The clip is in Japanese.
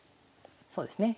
そうですね。